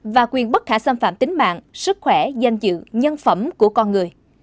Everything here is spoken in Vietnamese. và quyền bất khả xâm phạm tính mạng sức khỏe danh dự nhân phẩm của con người